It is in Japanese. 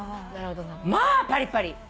まあパリパリ。